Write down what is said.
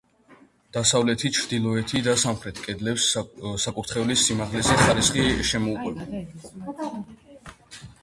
დასავლეთი, ჩრდილოეთი და სამხრეთ კედლებს საკურთხევლის სიმაღლეზე ხარისხი შემოუყვება.